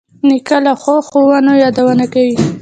نیکه له ښو ښوونو یادونه کوي.